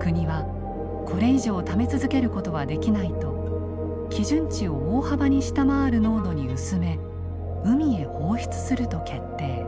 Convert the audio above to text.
国はこれ以上ため続けることはできないと基準値を大幅に下回る濃度に薄め海へ放出すると決定。